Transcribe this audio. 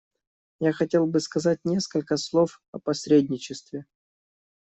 Я хотел бы сказать несколько слов о посредничестве.